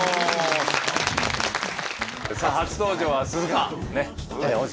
さあ初登場は鈴鹿央士